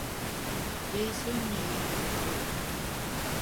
Я і сёння яе люблю.